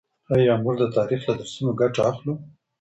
آيا موږ د تاريخ له درسونو ګټه اخلو؟